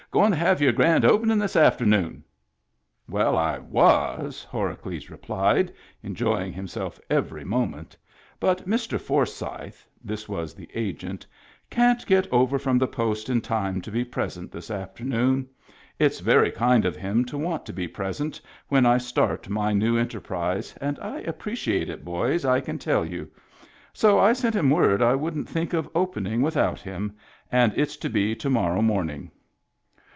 " Goin* to have your grand opening this after noon ?"" Well, I was,'' Horacles replied, enjoying him self every moment. " But Mr. Forsythe " (this was the Agent) "can't get over from the Post in time to be present this afternoon. It's very kind of him to want to be present when I start my new enter prise, and I appreciate it, boys, I can tell you. So I sent him word I wouldn't think of opening without him, and it's to be to morrow morning."